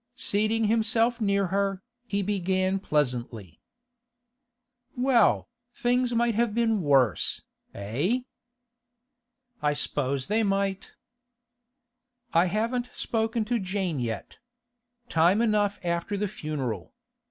Seating himself near her, he began pleasantly: 'Well, things might have been worse, eh?' 'I s'pose they might.' 'I haven't spoken to Jane yet. Time enough after the funeral.